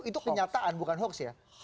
itu kenyataan bukan hoax ya